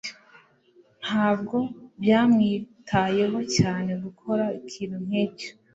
Ntabwo byamwitayeho cyane gukora ikintu nkicyo.